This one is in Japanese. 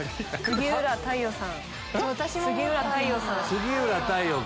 杉浦太陽さん。